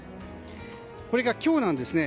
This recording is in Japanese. これが今日なんですね。